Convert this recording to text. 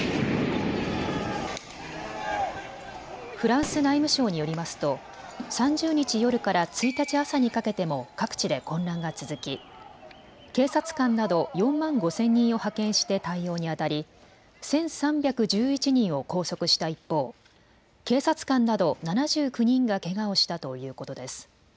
フランス内務省によりますと３０日夜から１日朝にかけても各地で混乱が続き、警察官など４万５０００人を派遣して対応にあたり１３１１人を拘束した一方、警察官など７９人がけがをしたということです。